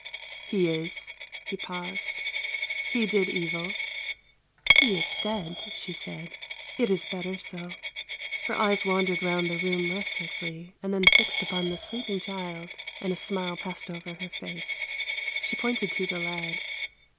" He is " he paused. " He did evil ?"" He is dead," she said. " It is better so." Her eyes wandered round the room restlessly, and then 350 THE LANE THAT HAD NO TURNING fixed upon the sleeping child, and a smile passed over her face. She pointed to the lad.